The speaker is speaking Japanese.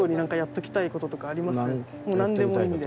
もうなんでもいいので。